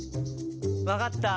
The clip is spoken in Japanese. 分かった。